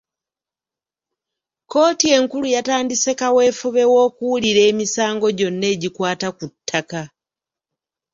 Kkooti enkulu yatandise kaweefube w’okuwulira emisango gyonna egikwata ku ttaka.